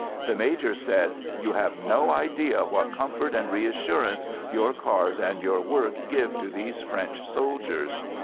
The Major said, "You have no idea what comfort and reassur ance your cars and your work give to these French soldiers!"